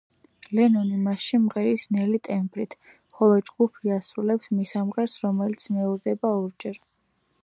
ლენონი მასში მღერის ნელი ტემპით, ხოლო ჯგუფი ასრულებს მისამღერს, რომელიც მეორდება ორჯერ.